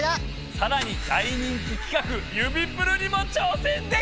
さらに大人気企画「指プル」にも挑戦できちゃうんです！